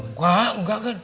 enggak enggak kan